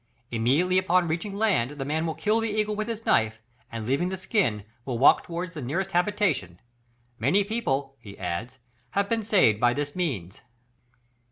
Immediately on reaching land the man will kill the eagle with his knife, and leaving the skin, will walk towards the nearest habitation; many people," he adds, "have been saved by this means."